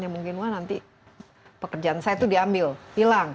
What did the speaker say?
ya mungkin wah nanti pekerjaan saya itu diambil hilang